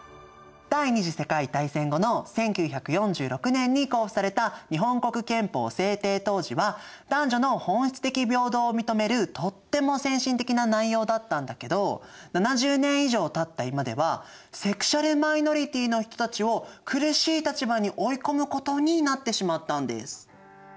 第２次世界大戦後の１９４６年に公布された日本国憲法制定当時は男女の本質的平等を認めるとっても先進的な内容だったんだけど７０年以上たった今ではセクシュアル・マイノリティーの人たちを苦しい立場に追い込むことになってしまったんです。